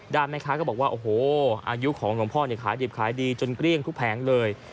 ด้านแม่ค้าก็บอกว่าอายุของหลวงพ่อขายดีปขายดีจนเกลี่ยงทุกแผงเลย